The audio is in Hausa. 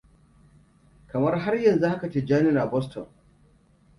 Kamar har yanzu haka Tijjani na Boston.